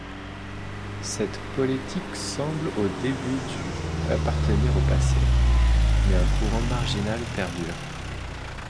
Cette politique semble au début du appartenir au passé, mais un courant marginal perdure.